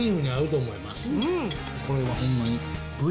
これはホンマに。